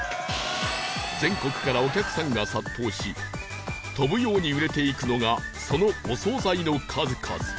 全国からお客さんが殺到し飛ぶように売れていくのがそのお総菜の数々